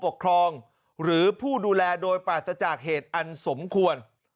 ปกครองหรือผู้ดูแลโดยปราศจากเหตุอันสมควร